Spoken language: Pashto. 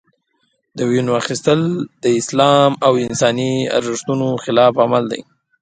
د وینو اخیستل د اسلام او انساني ارزښتونو خلاف عمل دی.